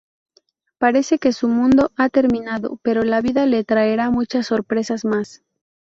Parece que su mundo ha terminado, pero la vida le traerá muchas sorpresas más.